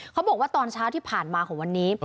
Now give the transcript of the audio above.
เขาบอกว่าตอนเช้าที่ผ่านมาของวันนี้